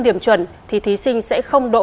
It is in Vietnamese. điểm chuẩn thì thí sinh sẽ không đỗ